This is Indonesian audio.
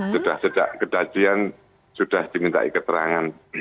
sudah sudah kedajian sudah dimintai keterangan